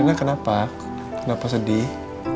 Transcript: rina kenapa kenapa sedih